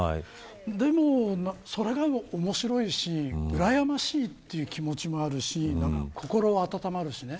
でも、それが面白いしうらやましいという気持ちもあるし心温まるしね。